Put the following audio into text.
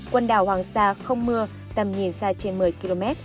quần đảo hoàng sa không mưa tầm nhìn xa trên một mươi km